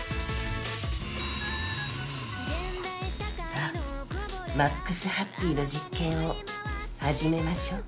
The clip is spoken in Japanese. さあマックスハッピーの実験を始めましょう。